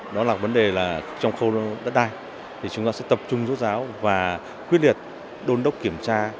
đó là vấn đề là trong khâu đất đai thì chúng ta sẽ tập trung rút ráo và quyết liệt đôn đốc kiểm tra